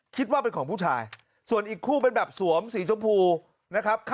คิดว่าเป็นของผู้ชายส่วนอีกคู่เป็นแบบสวมสีชมพูนะครับ